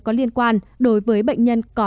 có liên quan đối với bệnh nhân